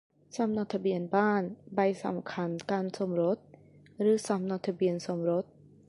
สำเนาทะเบียนบ้าน ใบสำคัญการสมรส หรือสำเนาทะเบียนสมรส